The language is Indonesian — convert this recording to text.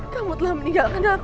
kamu telah meninggalkan aku